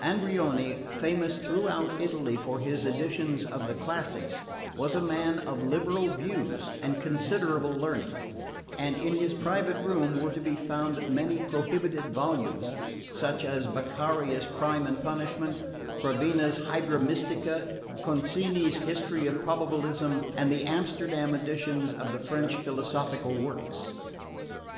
Andreoni, famous throughout Italy for his editions of the classics, was a man of liberal views and considerable learning, and in his private room were to be found many prohibited volumes, such as Beccaria's Crime and Punishment, Gravina's Hydra Mystica, Concini's History of Probabilism and the Amsterdam editions of the French philosophical works.